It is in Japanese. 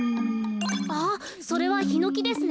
あっそれはヒノキですね。